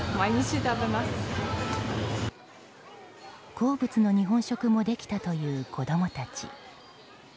好物の日本食もできたという子供たち。